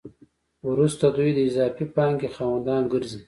وروسته دوی د اضافي پانګې خاوندان ګرځي